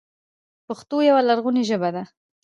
پښتو یوه لرغونې ژبه ده